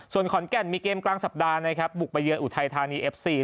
ส่วนขอนแก่นมีเกมกลางสัปดาห์นะครับบุกไปเยือนอุทัยธานีเอฟซี